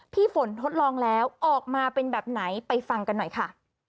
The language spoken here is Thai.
พี่ฝนทดลองแล้วออกมาเป็นแบบไหนไปฟังกันหน่อยค่ะ